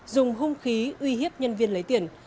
dùng hung khí uy hiếp nhân viên lấy tiền